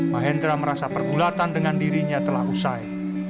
mahendra merasa pergulatan dengan dirinya telah usai